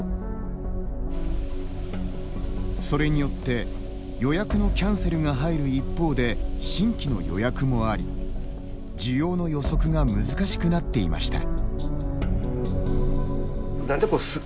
それによって予約のキャンセルが入る一方で、新規の予約もあり需要の予測が難しくなっていました。